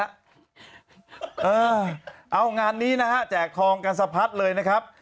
เออเอางานนี้นะฮะแจกทองกันสะพัดเลยนะครับ